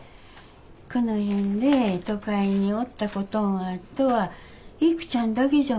この辺で都会におったことんあっとは育ちゃんだけじゃもんね。